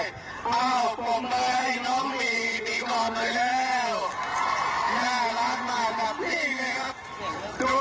เอ้าผมเมื่อให้น้องมีนมอบมาแล้วน่ารักมากกับพี่เลยครับ